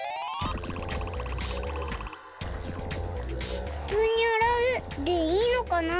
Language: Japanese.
ふつうに「あらう」でいいのかな？